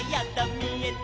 みえた！」